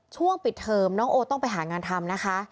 ช่วงปิดเทอมน้องโอต้องไปหางานทำนะคะ